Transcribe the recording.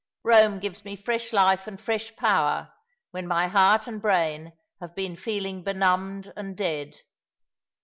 Eome gives me fresh life and fresh power when my heart and brain have been feeling benumbed and dead.